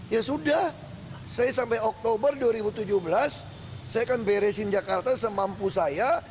ya sudah saya sampai oktober dua ribu tujuh belas saya akan beresin jakarta semampu saya